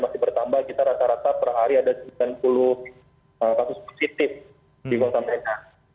masih bertambah kita rata rata per hari ada sembilan puluh kasus positif di kota medan